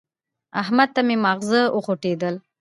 احمد ته مې ماغزه وخوټېدل.